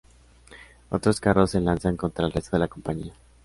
Otros carros se lanzan contra el resto de la compañía.